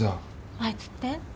あいつって？